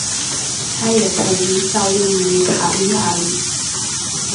他也曾效力于卡利亚里。